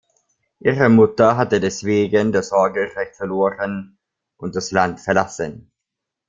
Ihre Mutter hatte deswegen das Sorgerecht verloren und das Land verlassen.